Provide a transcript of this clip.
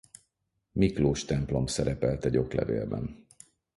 Miklós templom szerepelt egy oklevélben.